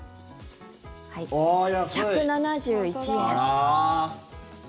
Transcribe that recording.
１７１円。